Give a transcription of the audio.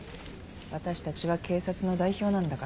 わたしたちは警察の代表なんだから。